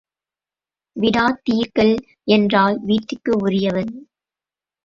விடாதீர்கள் என்றாள் வீட்டுக்கு உரியவள்.